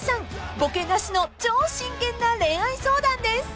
［ボケなしの超真剣な恋愛相談です］